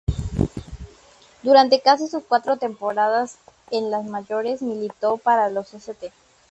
Durante sus casi cuatro temporadas en las mayores militó para los "St.